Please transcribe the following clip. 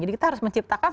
jadi kita harus menciptakan